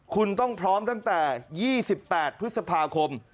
คุณต้องพร้อมตั้งแต่๒๘พฤษภาคม